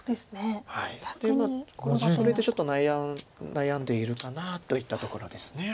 それでちょっと悩んでいるかなといったところです。